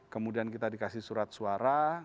kemudian kita dikasih surat suara